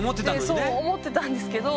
そう思ってたんですけど。